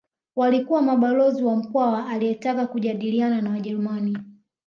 Walikuwa mabalozi wa Mkwawa aliyetaka kujadiliana na Wajerumani